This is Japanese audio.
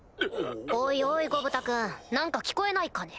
おいおいゴブタ君何か聞こえないかね？